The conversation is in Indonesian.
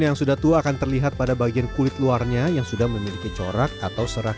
yang sudah tua akan terlihat pada bagian kulit luarnya yang sudah memiliki corak atau serak